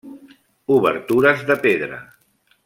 Obertures de pedra.